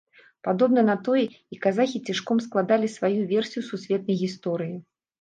Падобна на тое, і казахі цішком складалі сваю версію сусветнай гісторыі.